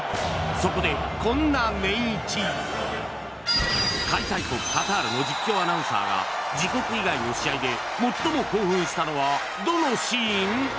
こんなネンイチ開催国カタールの実況アナウンサーが自国以外の試合で最も興奮したのはどのシーン？